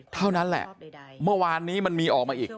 เท่านั้นแหละเมื่อวานนี้มันมีออกมาอีก